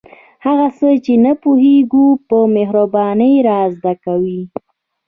هغه څه چې نه پوهیږو په مهربانۍ را زده کوي.